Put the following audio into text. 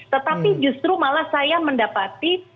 tetapi justru malah saya mendapati